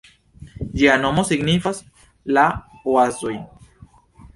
Ĝia nomo signifas "la oazoj".